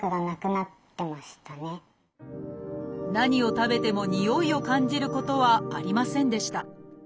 何を食べてもにおいを感じることはありませんでした。